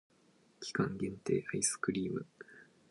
期間限定アイスクリーム